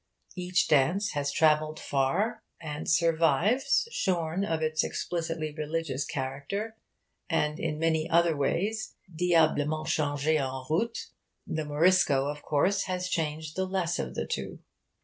Each dance has travelled far, and survives, shorn of its explicitly religious character, and in many other ways 'diablement change' en route.' The 'Morisco,' of course, has changed the less of the two.